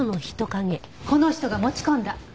この人が持ち込んだ。